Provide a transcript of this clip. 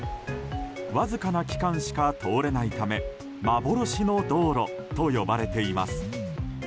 わずかな期間しか通れないため幻の道路と呼ばれています。